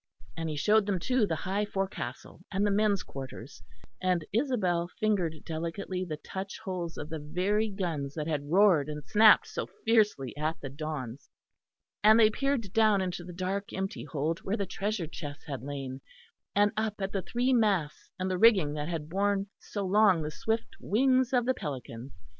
And he showed them, too, the high forecastle, and the men's quarters; and Isabel fingered delicately the touch holes of the very guns that had roared and snapped so fiercely at the Dons; and they peered down into the dark empty hold where the treasure chests had lain, and up at the three masts and the rigging that had borne so long the swift wings of the Pelican.